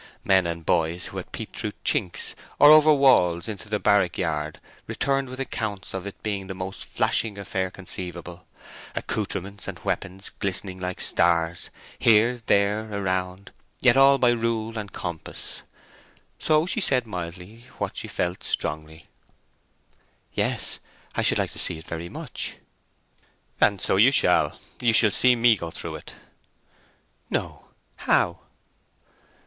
Men and boys who had peeped through chinks or over walls into the barrack yard returned with accounts of its being the most flashing affair conceivable; accoutrements and weapons glistening like stars—here, there, around—yet all by rule and compass. So she said mildly what she felt strongly. "Yes; I should like to see it very much." "And so you shall; you shall see me go through it." "No! How?"